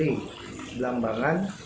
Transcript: ini di lambangan